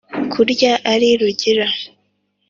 kurya ari rugira,